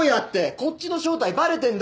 こっちの正体バレてんだ！